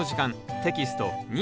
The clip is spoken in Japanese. テキスト２